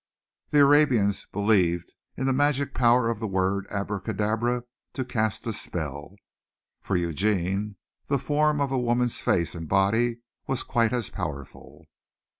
The Arabians believed in the magic power of the word Abracadabra to cast a spell. For Eugene the form of a woman's face and body was quite as powerful.